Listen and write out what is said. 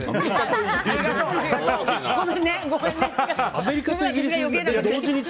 アメリカとイギリスです。